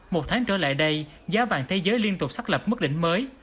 một tháng trở lại đây giá vàng thế giới liên tục xác lập mức đỉnh mới